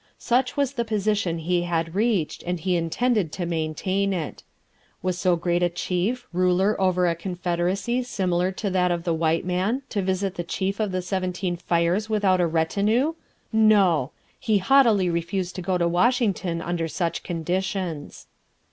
Such was the position he had reached, and he intended to maintain it. Was so great a chief, ruler over a confederacy similar to that of the white man, to visit the chief of the Seventeen Fires without a retinue! No! He haughtily refused to go to Washington under such conditions.